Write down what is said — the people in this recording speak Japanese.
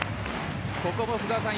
ここも福澤さん